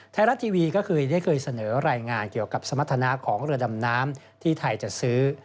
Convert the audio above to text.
ไทยรัฐทีวีก็เคยได้เคยเสนอรายงานเกี่ยวกับสมรรถนาของเรือดำน้ำที่ไทยจะซื้อ